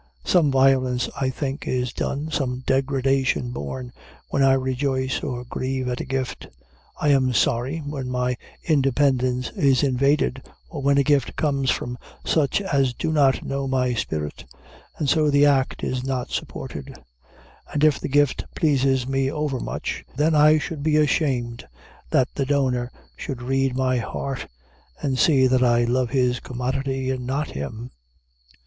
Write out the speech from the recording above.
Some violence, I think, is done, some degradation borne, when I rejoice or grieve at a gift. I am sorry when my independence is invaded, or when a gift comes from such as do not know my spirit, and so the act is not supported; and if the gift pleases me overmuch, then I should be ashamed that the donor should read my heart, and see that I love his commodity, and not him.